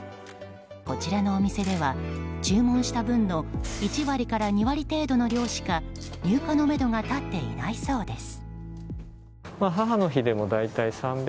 こちらのお店では、注文した分の１割から２割程度の量しか入荷のめどが立っていないそうです。